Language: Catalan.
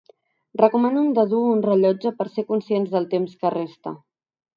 Recomanen de dur un rellotge per ser conscients del temps que resta.